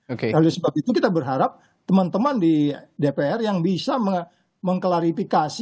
oleh sebab itu kita berharap teman teman di dpr yang bisa mengklarifikasi